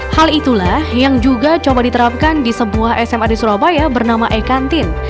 hal itulah yang juga coba diterapkan di sebuah sma di surabaya bernama e kantin